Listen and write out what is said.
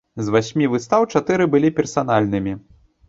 З васьмі выстаў чатыры былі персанальнымі.